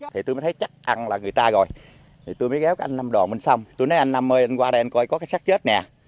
thì tôi mới thấy chắc chắn là người ta rồi thì tôi mới ghé với anh nam đoàn bên sông tôi nói anh nam ơi anh qua đây anh coi có cái xác chết nè